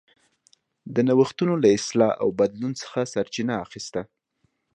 د نوښتونو له اصلاح او بدلون څخه سرچینه اخیسته.